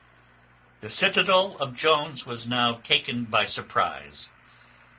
The citadel of Jones was now taken by surprize.